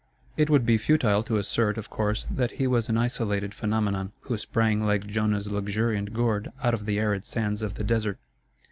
It would be futile to assert, of course, that he was an isolated phenomenon, who sprang like Jonah's luxuriant gourd out of the arid sands of the desert.